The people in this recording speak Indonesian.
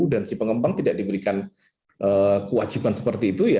dan si pengembang tidak diberikan kewajiban seperti itu